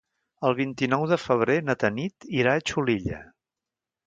El vint-i-nou de febrer na Tanit irà a Xulilla.